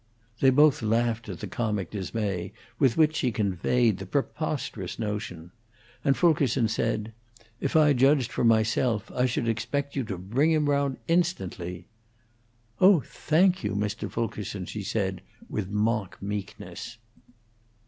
They both laughed at the comic dismay with which she conveyed the preposterous notion; and Fulkerson said, "If I judged from myself, I should expect you to bring him round instantly." "Oh, thank you, Mr. Fulkerson," she said, with mock meekness.